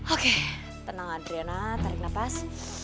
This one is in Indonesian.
oke tenang adriana tarik nafas